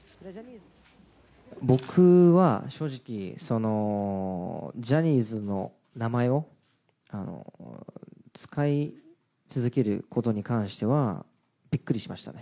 僕は正直、ジャニーズの名前を使い続けることに関しては、びっくりしましたね。